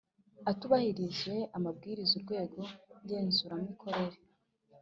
atubahirije amabwiriza Urwego ngenzuramikorere